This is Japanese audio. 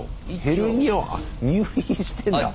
ヘルニアあ入院してんだ。